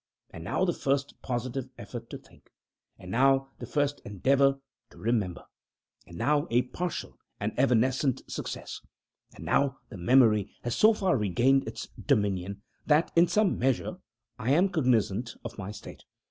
And now the first positive effort to think. And now the first endeavor to remember. And now a partial and evanescent success. And now the memory has so far regained its dominion, that, in some measure, I am cognizant of my state.